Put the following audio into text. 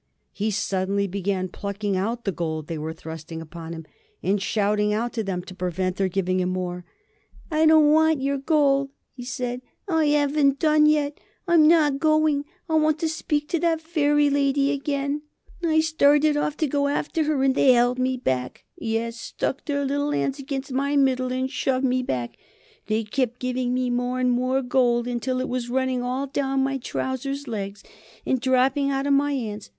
He suddenly began plucking out the gold they were thrusting upon him, and shouting out at them to prevent their giving him more. "'I don't WANT yer gold,' I said. 'I 'aven't done yet. I'm not going. I want to speak to that Fairy Lady again.' I started off to go after her and they held me back. Yes, stuck their little 'ands against my middle and shoved me back. They kept giving me more and more gold until it was running all down my trouser legs and dropping out of my 'ands.